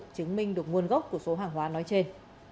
chứng minh được nguồn gốc của số hàng hóa nói trên